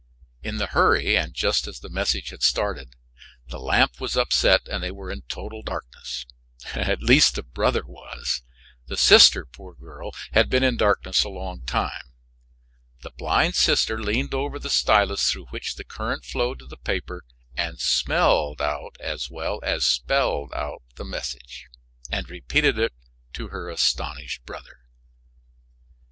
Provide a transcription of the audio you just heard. In the hurry, and just as the message had started, the lamp was upset and they were in total darkness at least, the brother was. The sister, poor girl, had been in darkness a long time. The blind sister leaned over the stylus through which the current flowed to the paper and smelled out as well as spelled out the message, and repeated it to her astonished brother.